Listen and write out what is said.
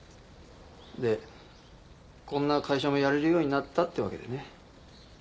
でこんな会社もやれるようになったってわけでね。